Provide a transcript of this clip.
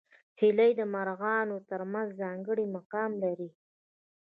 هیلۍ د مرغانو تر منځ ځانګړی مقام لري